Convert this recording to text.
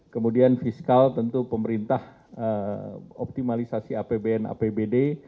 kemudian fiskal tentu pemerintah optimalisasi apbn apbd